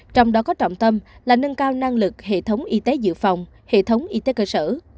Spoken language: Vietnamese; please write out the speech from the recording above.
trong đó có trọng tâm là nâng cao năng lực hệ thống y tế dự phòng hệ thống y tế cơ sở